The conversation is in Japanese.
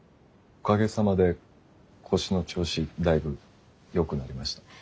おかげさまで腰の調子だいぶよくなりました。